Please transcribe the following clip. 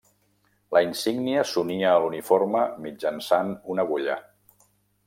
La insígnia s'unia a l'uniforme mitjançant una agulla.